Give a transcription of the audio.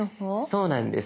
そうなんです。